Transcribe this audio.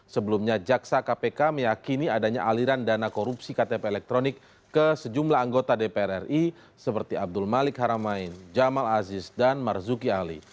sebelumnya jaksa kpk meyakini adanya aliran dana korupsi ktp elektronik ke sejumlah anggota dpr ri seperti abdul malik haramain jamal aziz dan marzuki ali